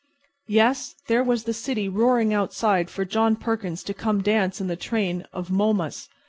Yes, there was the city roaring outside for John Perkins to come dance in the train of Momus.